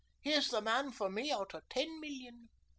He's the man for me out of ten million."